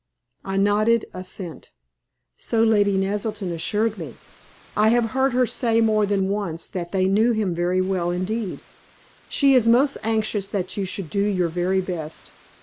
I nodded assent. "So Lady Naselton assured me. I have heard her say more than once that they knew him very well indeed. She is most anxious that you should do your very best.